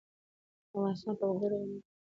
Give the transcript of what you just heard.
افغانستان په وګړي غني دی.